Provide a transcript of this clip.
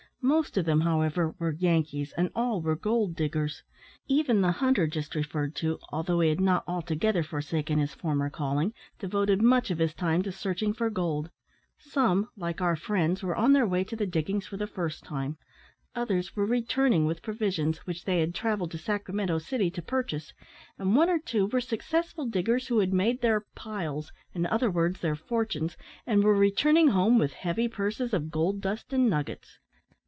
Most of them, however, were Yankees, and all were gold diggers; even the hunter just referred to, although he had not altogether forsaken his former calling, devoted much of his time to searching for gold. Some, like our friends, were on their way to the diggings for the first time; others were returning with provisions, which they had travelled to Sacramento city to purchase; and one or two were successful diggers who had made their "piles," in other words, their fortunes and were returning home with heavy purses of gold dust and nuggets.